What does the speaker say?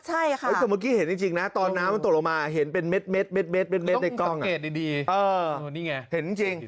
เมื่อกี้เห็นจริงตอนน้ำตกลงมาเห็นเป็นเม็ดในกล้อง